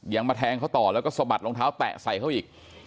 มาแทงเขาต่อแล้วก็สะบัดรองเท้าแตะใส่เขาอีก